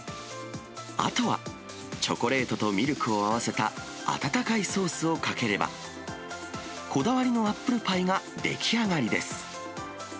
あとはチョコレートとミルクを合わせた温かいソースをかければ、こだわりのアップルパイが出来上がりです。